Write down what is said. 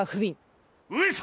上様！